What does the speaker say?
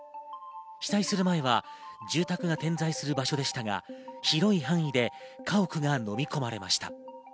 被災する前は住宅が点在する場所でしたが広い範囲で家屋が飲み込まれました。